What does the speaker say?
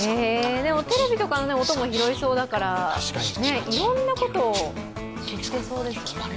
テレビとかの音も拾いそうだからいろんなことを言ってそうですね。